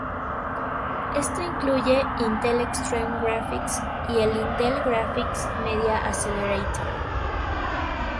Esto incluye Intel Extreme Graphics y el Intel Graphics Media Accelerator.